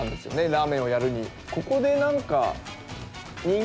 ラーメンをやるに。